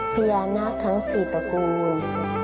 พญานาคทั้ง๔ตระกูล